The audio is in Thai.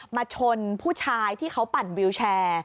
มาชนผู้ชายที่เขาปั่นวิวแชร์